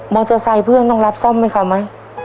เตอร์ไซค์เพื่อนต้องรับซ่อมให้เขาไหม